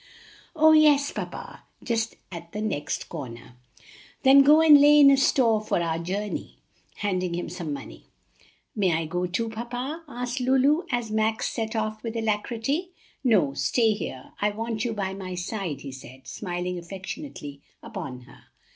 "Oh, yes, papa! just at the next corner." "Then go and lay in a store for our journey," handing him some money. "May I go too, papa?" asked Lulu, as Max set off with alacrity. "No, stay here; I want you by my side," he said, smiling affectionately upon her.